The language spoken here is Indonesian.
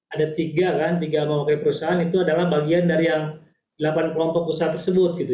ada tiga kan tiga memakai perusahaan itu adalah bagian dari yang delapan kelompok usaha tersebut gitu